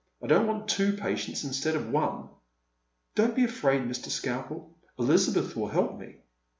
I don't want two patients instead of one." " Don't be afraid, Mr. Skalpeh Elizabeth will help me."